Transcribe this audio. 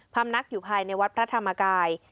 ำนักอยู่ภายในวัดพระธรรมกาย